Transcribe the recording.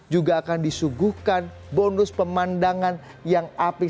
juga akan disuguhkan bonus pemandangan yang apik